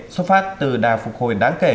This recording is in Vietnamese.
xuất phát từ đà phục hồi đáng kể